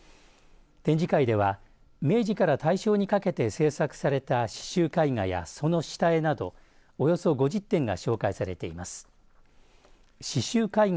展示会では明治から大正にかけて制作された刺しゅう絵画やその下絵などおよそ５０点が紹介されています。